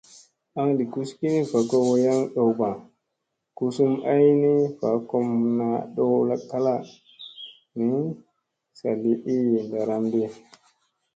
Aŋ li gus kini va ko wayaŋ ɗow lala, guzum ay ni va kom naa ɗow kala ni, sa li ii ndaramɗi.